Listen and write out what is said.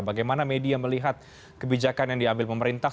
bagaimana media melihat kebijakan yang diambil pemerintah